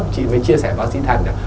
chị mới chia sẻ với bác sĩ thành là